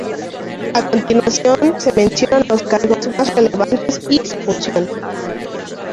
A continuación se mencionan los cargos más relevantes y su función.